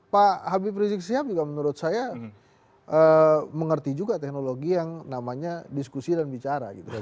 pak habib rizik sihab juga menurut saya mengerti juga teknologi yang namanya diskusi dan bicara gitu